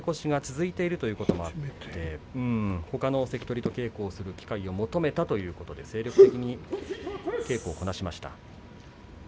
このところ負け越しが続いているということもあってほかの関取と稽古する機会を求めたということで精力的に稽古をこなしていました。